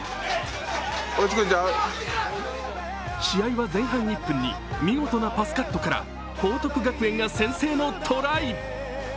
試合は前半１分に見事なパスカットから報徳学園が先制のトライ。